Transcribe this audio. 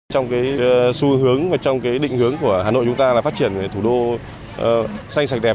trong xu hướng và trong định hướng của hà nội chúng ta là phát triển thủ đô xanh sạch đẹp